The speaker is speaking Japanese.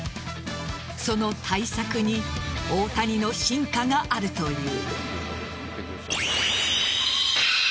その対策に大谷の進化があるという。